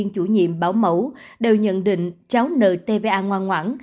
chủ nhiệm bảo mẫu đều nhận định cháu nợ tva ngoan ngoãn